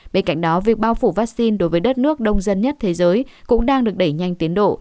bên cạnh đó việc bao phủ vaccine đối với đất nước đông dân nhất thế giới cũng đang được đẩy nhanh tiến độ